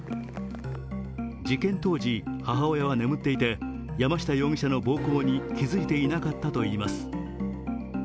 事件当時、母親は眠っていて山下容疑者の暴行に気付いていなかったといいます。